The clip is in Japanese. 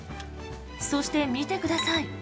そして見てください。